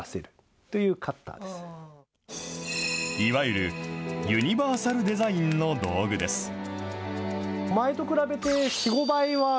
いわゆるユニバーサルデザインの道具です。